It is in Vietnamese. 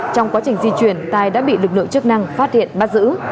trong quá trình di chuyển tài đã bị lực lượng chức năng phát hiện bắt giữ